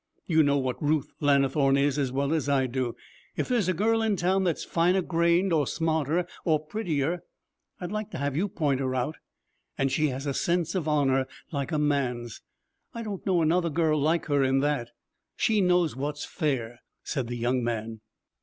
You know what Ruth Lannithorne is as well as I do. If there's a girl in town that's finer grained, or smarter, or prettier, I'd like to have you point her out! And she has a sense of honor like a man's. I don't know another girl like her in that. She knows what's fair,' said the young man.